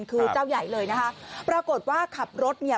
คือเจ้าใหญ่เลยนะคะปรากฏว่าขับรถเนี่ย